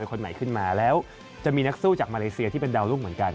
คนใหม่ขึ้นมาแล้วจะมีนักสู้จากมาเลเซียที่เป็นดาวรุ่งเหมือนกัน